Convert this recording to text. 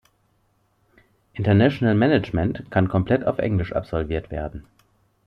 International Management kann komplett auf Englisch absolviert werden.